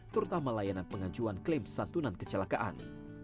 terutama layanan pengajuan klaim santunan kecelakaan